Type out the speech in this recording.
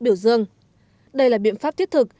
biểu dương đây là biện pháp thiết thực